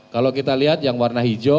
kalau kita lihat yang warna hijau